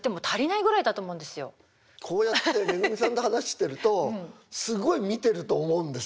こうやってめぐみさんと話してるとすごい見てると思うんです。